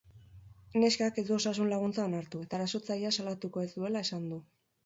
Neskak ez du osasun-laguntza onartu eta erasotzailea salatuko ez duela esan du.